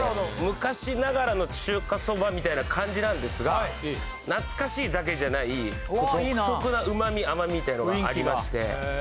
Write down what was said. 昔ながらの中華そばみたいな感じなんですが懐かしいだけじゃない独特なうまみ甘みみたいなのがありまして。